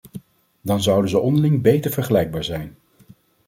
Dan zouden ze onderling beter vergelijkbaar zijn.